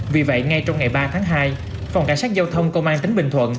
vì vậy ngay trong ngày ba tháng hai phòng cảnh sát giao thông công an tỉnh bình thuận